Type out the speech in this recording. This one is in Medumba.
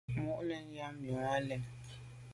Me lo yen nyu à lem.